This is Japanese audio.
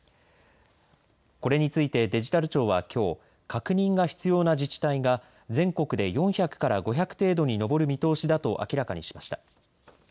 これについてデジタル庁はきょう確認が必要な自治体が全国で４００から５００程度に上る見通しだと明らかにしました。